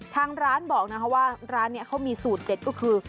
ทางร้านบอกนะคะว่าร้านนี้เขามีสูตรเด็ดก็คือ